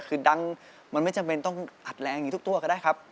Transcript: คือดังมันไม่จำเป็นต้องอัดแรงอย่างนี้ทุกตัวก็ได้ครับ